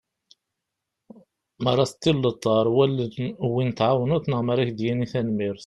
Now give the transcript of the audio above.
Mi ara teṭṭileḍ ɣer wallen n win tɛawneḍ neɣ mi ara ak-d-yini tanmirt.